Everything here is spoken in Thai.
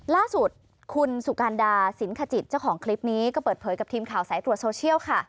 ล่าสุดคุณสุการดาสินขจิตเจ้าของคลิปนี้ก็เปิดเผยกับทีมข่าวสายตรวจโซเชียลค่ะ